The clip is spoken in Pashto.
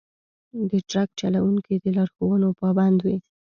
د ټرک چلونکي د لارښوونو پابند وي.